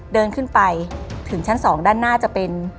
เดินขึ้นไปถึงชั้น๒ด้านหน้าจะเป็น